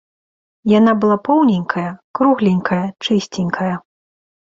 Яна была поўненькая, кругленькая, чысценькая.